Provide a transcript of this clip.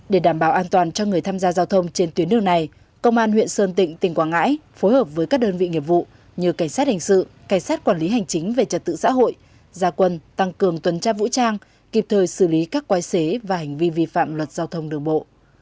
để đảm bảo an toàn cho người tham gia giao thông trên tuyến đường này công an huyện sơn tịnh tỉnh quảng ngãi phối hợp với các đơn vị nghiệp vụ như cảnh sát hình sự cảnh sát quản lý hành chính về trật tự xã hội gia quân tăng cường tuần tra vũ trang kịp thời xử lý các quái xế và hành vi vi phạm luật giao thông đường bộ